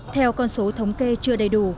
theo con số thống kê chưa đầy đủ